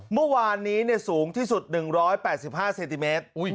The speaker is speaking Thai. เมื่อวานนี้สูงที่สุด๑๘๕เซนติเมตร